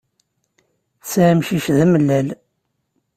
Tesɛa amcic d amellal.